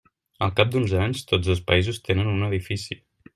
Al cap d'uns anys, tots dos països tenen un edifici.